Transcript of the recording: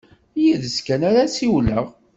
Yid-s kan ara ssiwleɣ.